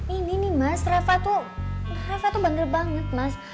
ini nih mas rafa tuh rafa tuh bangga banget mas